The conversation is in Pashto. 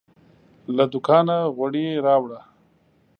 له دوکانه غیړي راوړه